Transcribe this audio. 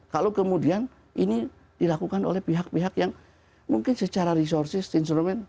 kalau kemudian ini dilakukan oleh pihak pihak yang mungkin secara resources instrumen